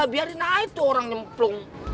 biarin naik tuh orang nyemplung